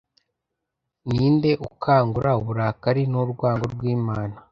Ninde ukangura uburakari n'urwango rw'Imana